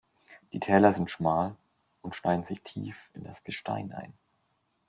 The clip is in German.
Die Täler sind schmal und schneiden sich tief in das Gestein ein.